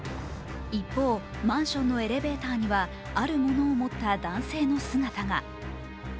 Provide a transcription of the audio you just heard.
一方、マンションのエレベーターにはあるものを持った男性の姿が。